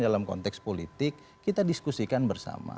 dalam konteks politik kita diskusikan bersama